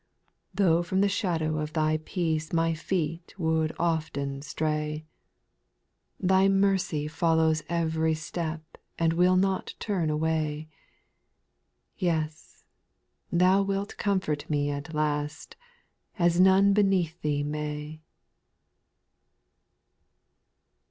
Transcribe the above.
2. Though from the shadow of thy peace My feet would often stray, Thy mercy follows every step And will not turn away ; Yea, Thou wilt comfort me at last, As none beneath Thee may.